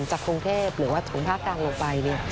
จากกรุงเทพหรือว่าของภาคกลางลงไป